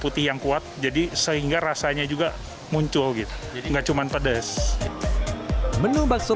putih yang kuat jadi sehingga rasanya juga muncul gitu enggak cuman pedas menu bakso